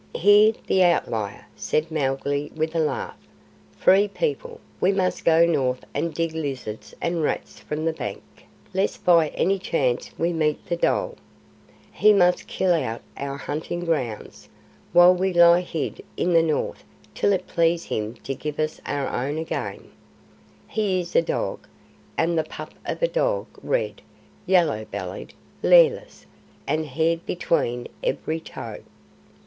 "Hear the Outlier!" said Mowgli with a laugh. "Free People, we must go north and dig lizards and rats from the bank, lest by any chance we meet the dhole. He must kill out our hunting grounds, while we lie hid in the north till it please him to give us our own again. He is a dog and the pup of a dog red, yellow bellied, lairless, and haired between every toe!